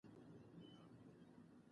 خو دې ونه منله.